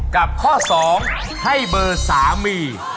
กับข้อ๒ให้เบอร์สามี